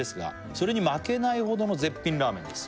「それに負けないほどの絶品ラーメンです」